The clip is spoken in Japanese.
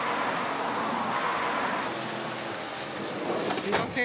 すみません。